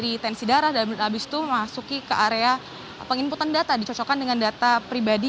inputan data dicocokkan dengan data pribadi